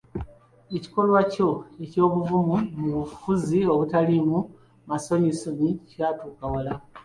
Ekikolwa ekyo eky'obuvumu mu bufuzi obutaliimu mansonyinsonyi kyatuuka wala.